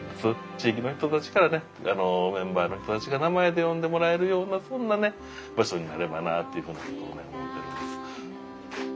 地域の人たちからねメンバーの人たちが名前で呼んでもらえるようなそんなね場所になればなっていうふうに思ってるんです。